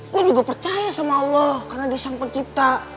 gue juga percaya sama allah karena dia sang pencipta